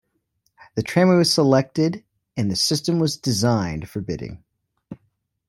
The tramway was selected and the system was designed for bidding.